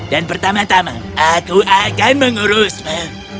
dan pertama tama aku akan mengurusmu